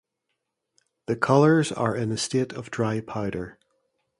The colours are in a state of dry powder.